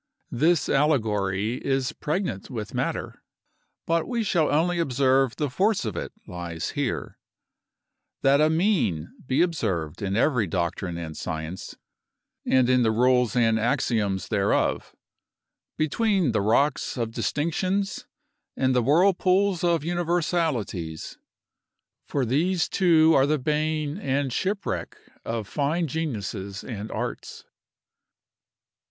This allegory is pregnant with matter; but we shall only observe the force of it lies here, that a mean be observed in every doctrine and science, and in the rules and axioms thereof, between the rocks of distinctions and the whirlpools of universalities: for these two are the bane and shipwreck of fine geniuses and arts.